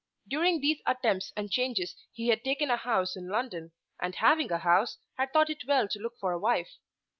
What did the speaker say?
During these attempts and changes he had taken a house in London, and having a house had thought it well to look for a wife.